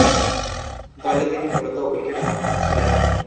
দলে তিনি মূলতঃ উইকেট-রক্ষক ছিলেন।